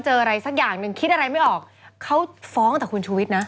อะไรสักอย่างหนึ่งคิดอะไรไม่ออกเขาฟ้องแต่คุณชูวิทย์นะ